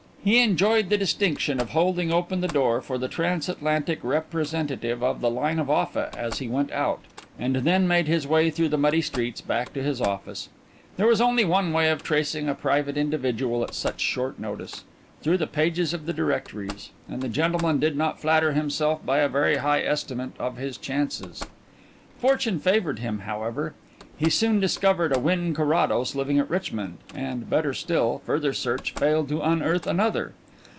He enjoyed the distinction of holding open the door for the transatlantic representative of the line of Offa as he went out, and then made his way through the muddy streets back to his office. There was only one way of tracing a private individual at such short notice through the pages of the directories, and the gentleman did not flatter himself by a very high estimate of his chances. Fortune favoured him, however. He very soon discovered a Wynn Carrados living at Richmond, and, better still, further search failed to unearth another.